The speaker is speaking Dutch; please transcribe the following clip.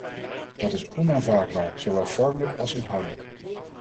Dat is onaanvaardbaar, zowel vormelijk als inhoudelijk.